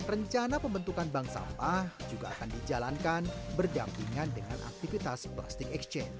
rencana pembentukan bank sampah juga akan dijalankan berdampingan dengan aktivitas plastik exchange